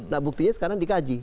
nah buktinya sekarang dikaji